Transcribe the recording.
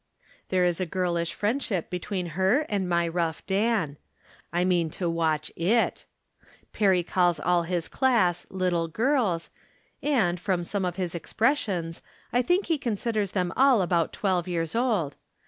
There is a girlish friend ship between her and my rough Dan. I mean to watch it. Perry calls all his class " little girls," From Different Standpoints. 169 and, from some of his expressions, I think he considers them all about twelve years old.